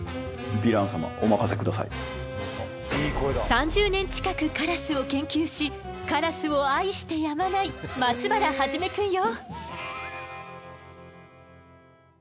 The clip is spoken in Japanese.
３０年近くカラスを研究しカラスを愛してやまない松原始くんよ。